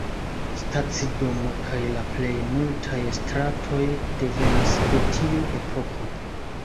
Stacidomo kaj la plej multaj stratoj devenas de tiu epoko.